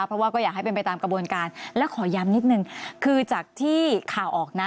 เพราะว่าก็อยากให้เป็นไปตามกระบวนการและขอย้ำนิดนึงคือจากที่ข่าวออกนะ